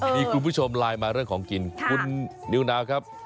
มีคุณผู้ชมไลน์มาเรื่องของกินคุณนิวนาวครับ